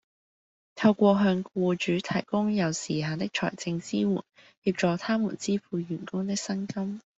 透過向僱主提供有時限的財政支援，協助他們支付員工的薪金